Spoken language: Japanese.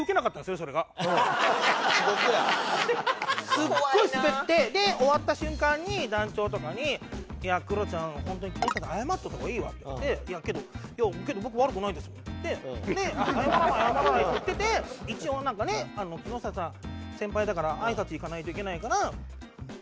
すごいスベってで終わった瞬間に団長とかに「いやクロちゃんホントに木下さんに謝っといた方がいいわ」って言われて「いやけど僕悪くないです」って言ってで「謝らない謝らない」って言ってて一応なんかね木下さん先輩だから挨拶行かないといけないから行ったんですよね。